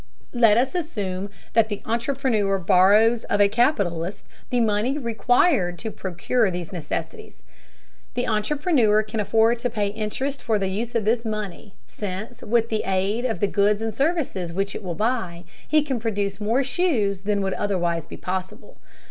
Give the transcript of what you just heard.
Let us assume that the entrepreneur borrows of a capitalist the money required to procure these necessities. The entrepreneur can afford to pay interest for the use of this money, since with the aid of the goods and services which it will buy, he can produce more shoes than would otherwise be possible.